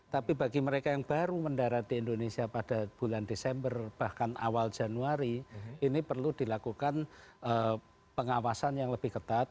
tapi bagi mereka yang baru mendarat di indonesia pada bulan desember bahkan awal januari ini perlu dilakukan pengawasan yang lebih ketat